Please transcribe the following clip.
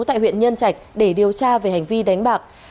tại huyện nhân trạch để điều tra về hành vi đánh bạc